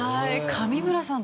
上村さん